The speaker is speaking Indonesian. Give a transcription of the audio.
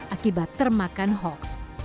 akibat termakan hoax